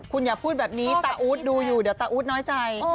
คุณอย่าพูดแบบนี้ตาอู๊ดดูอยู่เดี๋ยวตาอู๊ดน้อยใจ